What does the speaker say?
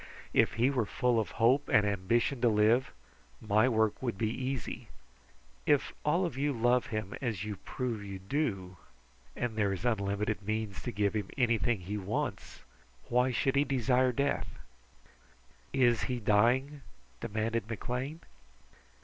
If he were full of hope and ambition to live, my work would be easy. If all of you love him as you prove you do, and there is unlimited means to give him anything he wants, why should he desire death?" "Is he dying?" demanded McLean.